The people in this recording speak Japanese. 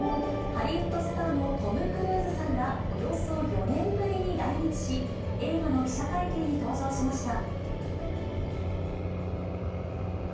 ハリウッドスターのトム・クルーズさんがおよそ４年ぶりに来日し、映画の記者会見に登場しました。